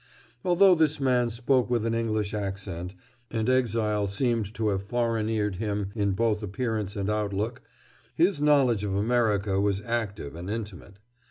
Although this man spoke with an English accent and exile seemed to have foreigneered him in both appearance and outlook, his knowledge of America was active and intimate.